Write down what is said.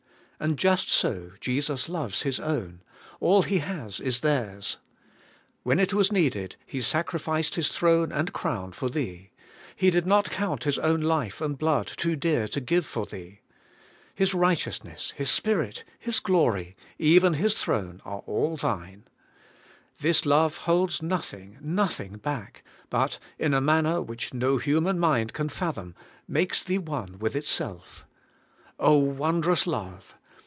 And just so Jesus loves His own: all He has is theirs. When it was needed. He sacrificed His throne and crown for thee: He did not count His own life and blood too dear to give for thee. His righteousness. His Spirit, His glory, even AND IN HIS LOVE, 167 His throne, all are thine. This love holds nothing, nothing back, but, in a manner which no human mind can fathom, makes thee one with itself. wondrous love